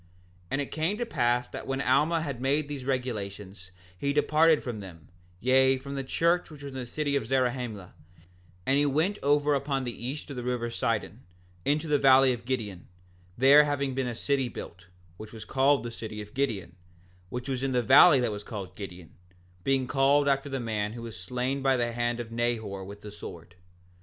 6:7 And now it came to pass that when Alma had made these regulations he departed from them, yea, from the church which was in the city of Zarahemla, and went over upon the east of the river Sidon, into the valley of Gideon, there having been a city built, which was called the city of Gideon, which was in the valley that was called Gideon, being called after the man who was slain by the hand of Nehor with the sword.